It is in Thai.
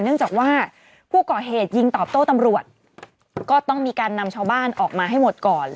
เนื่องจากว่าผู้ก่อเหตุยิงตอบโต้ตำรวจก็ต้องมีการนำชาวบ้านออกมาให้หมดก่อน